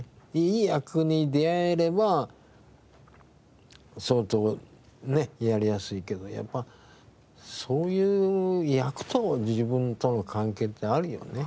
いい役に出会えれば相当ねやりやすいけどやっぱそういう役と自分との関係ってあるよね。